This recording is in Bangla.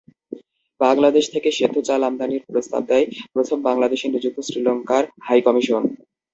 বাংলাদেশ থেকে সেদ্ধ চাল আমদানির প্রস্তাব দেয় প্রথম বাংলাদেশে নিযুক্ত শ্রীলঙ্কার হাইকমিশন।